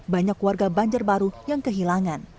banyak warga banjarbaru yang kehilangan